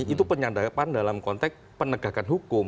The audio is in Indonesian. itu penyadapan dalam konteks penegakan hukum